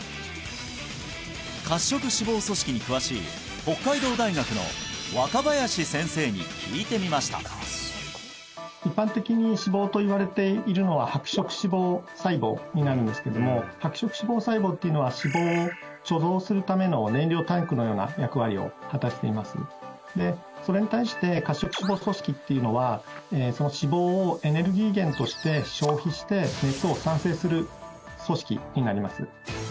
褐色脂肪組織に詳しい北海道大学の若林先生に聞いてみました白色脂肪細胞っていうのは脂肪を貯蔵するための燃料タンクのような役割を果たしていますでそれに対して褐色脂肪組織っていうのはその脂肪をエネルギー源として消費して熱を産生する組織になります